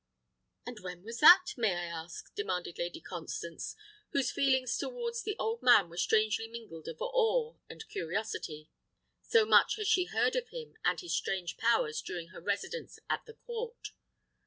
"And when was that, may I ask?" demanded Lady Constance, whose feelings towards the old man were strangely mingled of awe and curiosity, so much had she heard of him and his strange powers during her residence at the court.